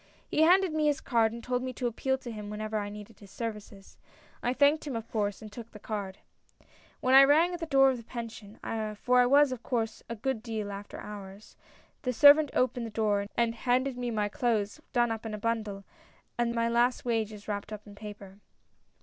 " He handed me his card and told me to appeal to him whenever I needed his services. I thanked him of course, and took the card. " When I rang at the door of the Pension, for I was of course a good deal after hours, the servant opened the door and handed me my clothes done up in a bundle, and my last wages wrapped in a paper.